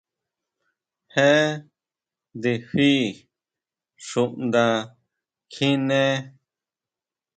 Jé ndifi xunda kjiné.